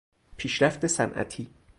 پیشرفت صنعتی